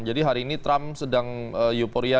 jadi hari ini trump sedang euphoria